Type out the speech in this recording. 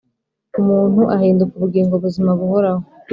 umuntu ahinduka ubugingo buzima buhoraho